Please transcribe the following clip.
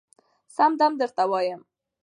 سم دم درته وايم